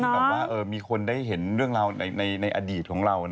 แบบว่ามีคนได้เห็นเรื่องราวในอดีตของเรา